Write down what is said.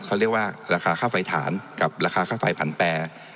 เขาเรียกว่าราคาค่าไฟฐานกับราคาค่าไฟผันแปร